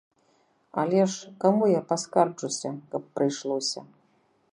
Але ж каму я паскарджуся, каб прыйшлося.